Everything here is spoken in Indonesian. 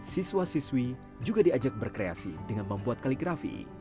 siswa siswi juga diajak berkreasi dengan membuat kaligrafi